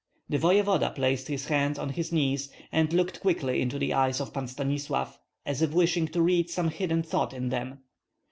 The voevoda placed his hands on his knees, and looked quickly into the eyes of Pan Stanislav, as if wishing to read some hidden thought in them.